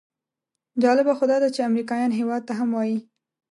جالبه خو داده چې امریکایان هېواد ته هم وایي.